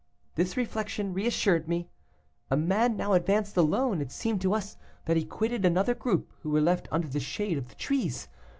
This reflection reassured me. A man now advanced alone: it seemed to us that he quitted another group who were left under the shade of the trees.